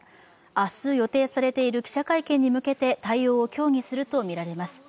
明日予定されている記者会見に向けて対応を協議するとみられます。